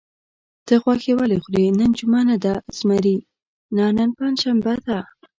ته غوښې ولې خورې؟ نن جمعه نه ده؟ زمري: نه، نن پنجشنبه ده.